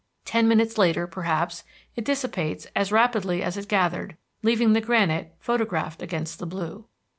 Ten minutes later, perhaps, it dissipates as rapidly as it gathered, leaving the granite photographed against the blue.